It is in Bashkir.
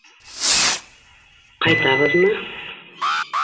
— Ҡайтабыҙмы?